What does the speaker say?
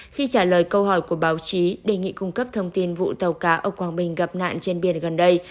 khi trả lời câu hỏi của báo chí đề nghị cung cấp thông tin vụ tàu cá ở quảng bình gặp nạn trên bia gần đây